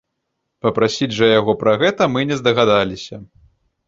Папрасіць жа яго пра гэта мы не здагадаліся.